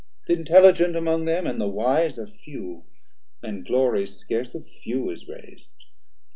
Th' intelligent among them and the wise Are few; and glory scarce of few is rais'd.